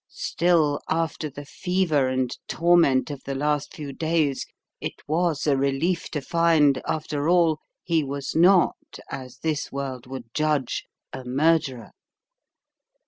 Still, after the fever and torment of the last few days, it was a relief to find, after all, he was not, as this world would judge, a murderer.